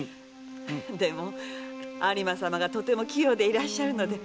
でも有馬様がとても器用でいらっしゃるので驚きました。